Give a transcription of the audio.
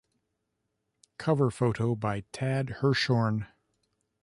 Cover photo by Tad Hershorn.